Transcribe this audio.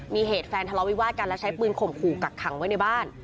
มีเหตุแฟนทะเลาวิวาสกันและใช้ปืนข่มขู่กักขังไว้ในบ้าน